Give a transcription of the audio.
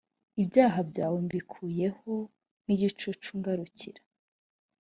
ibyaha byawe mbikuyeho nk igicu ngarukira